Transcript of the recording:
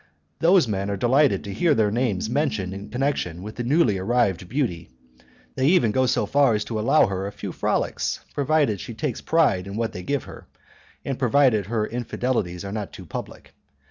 Those men are delighted to hear their names mentioned in connection with the newly arrived beauty; they even go so far as to allow her a few frolics, provided she takes pride in what they give her, and provided her infidelities are not too public.